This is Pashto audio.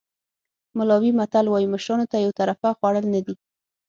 ملاوي متل وایي مشرانو ته یو طرفه خوړل نه دي.